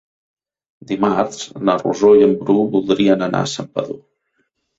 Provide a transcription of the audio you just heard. Dimarts na Rosó i en Bru voldrien anar a Santpedor.